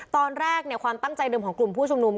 ตอนแรกความตั้งใจเดิมของกลุ่มผู้ชุมนุม